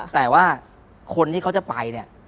แต่ว่าคนที่เขาจะไปเนี่ย